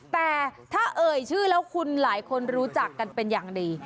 แต่ถ้าเอ่ยชื่อแล้วคุณหลายคนรู้จักกันเป็นอย่างดี